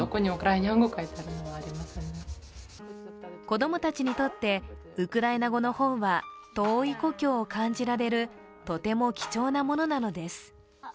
子どもたちにとってウクライナ語の本は遠い故郷を感じられるとても貴重なものなのです。